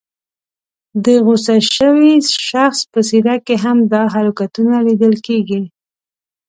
د غوسه شوي شخص په څېره کې هم دا حرکتونه لیدل کېږي.